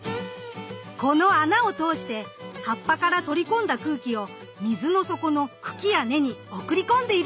この穴を通して葉っぱから取り込んだ空気を水の底の茎や根に送り込んでいるんです！